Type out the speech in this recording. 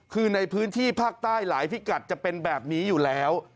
คือในพื้นที่ภาคใต้หลายพิกัดจะเป็นแบบนี้อยู่แล้ว